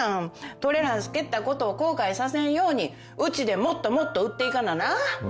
トレランス蹴ったことを後悔させんようにうちでもっともっと売っていかなな。